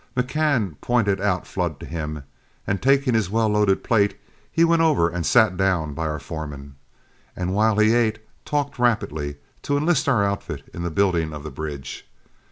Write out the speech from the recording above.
McCann pointed out Flood to him, and taking his well loaded plate, he went over and sat down by our foreman, and while he ate talked rapidly, to enlist our outfit in the building of the bridge.